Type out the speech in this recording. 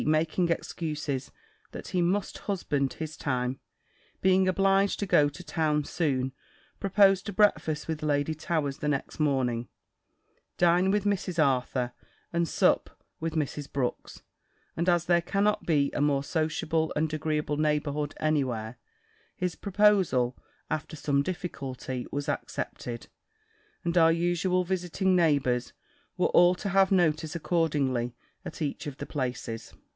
making excuses, that he must husband his time, being obliged to go to town soon, proposed to breakfast with Lady Towers the next morning, dine with Mrs. Arthur, and sup with Mrs. Brooks; and as there cannot be a more social and agreeable neighbourhood any where, his proposal, after some difficulty, was accepted; and our usual visiting neighbours were all to have notice accordingly, at each of the places.